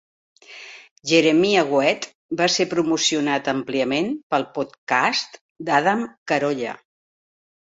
Jeremiah Weed va ser promocionat àmpliament pel podcast d'Adam Carolla.